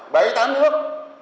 bấy tá nước